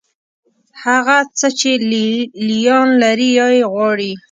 هغه څه چې لې لیان لري یا یې غواړي.